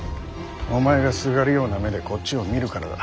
お前がすがるような目でこっちを見るからだ。